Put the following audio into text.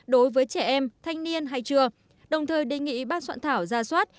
đối với trẻ em thanh niên hay trưa đồng thời đề nghị bác soạn thảo ra soát